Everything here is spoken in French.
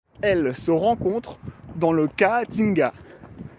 Elle se rencontre dans la Caatinga.